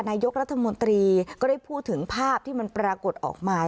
นายกรัฐมนตรีก็ได้พูดถึงภาพที่มันปรากฏออกมา